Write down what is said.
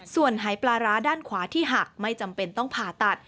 ส่วนหายปลาร้าด้านขวาที่หักไม่จำเป็นต้องผ่าตัด